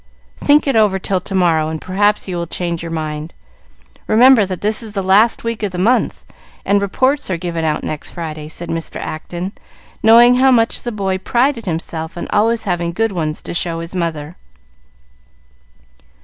"Think it over till to morrow, and perhaps you will change your mind. Remember that this is the last week of the month, and reports are given out next Friday," said Mr. Acton, knowing how much the boy prided himself on always having good ones to show his mother.